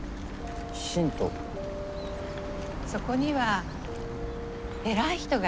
そこには偉い人がいないの。